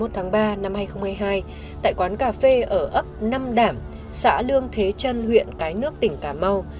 hai mươi tháng ba năm hai nghìn hai mươi hai tại quán cà phê ở ấp năm đảm xã lương thế trân huyện cái nước tỉnh cà mau